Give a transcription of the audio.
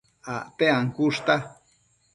Acte ancushta